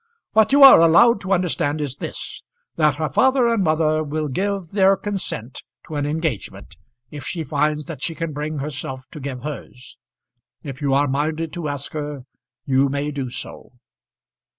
What you are allowed to understand is this, that her father and mother will give their consent to an engagement, if she finds that she can bring herself to give hers. If you are minded to ask her, you may do so."